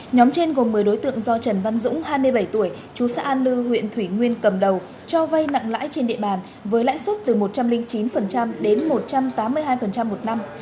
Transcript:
nhóm trên gồm một mươi đối tượng do trần văn dũng hai mươi bảy tuổi chú xã an lư huyện thủy nguyên cầm đầu cho vay nặng lãi trên địa bàn với lãi suất từ một trăm linh chín đến một trăm tám mươi hai một năm